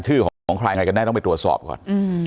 ชื่อมันของใครยังไงต้องไปตรวจสอบก่อน